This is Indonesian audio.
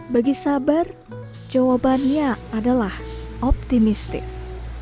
bagi sabar jawabannya adalah optimistis